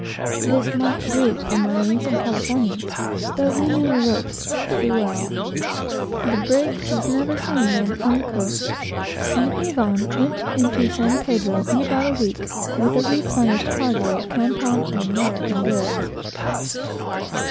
This might do for marines and Californians, but we knew the ropes too well. The brig was never again seen on the coast, and the Avon arrived at San Pedro in about a week, with a full cargo of Canton and American goods.